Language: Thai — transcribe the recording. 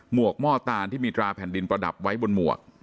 วกหม้อตานที่มีตราแผ่นดินประดับไว้บนหมวก